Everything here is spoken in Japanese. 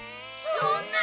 そんな！